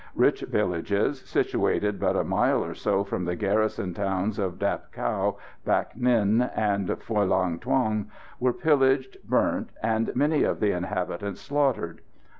Rich villages, situated but a mile or so from the garrison towns of Dap Cau, Bac Ninh and Phulang Thuong, were pillaged, burnt, and many of the inhabitants slaughtered.